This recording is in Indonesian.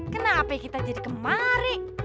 kenapa kita jadi kemari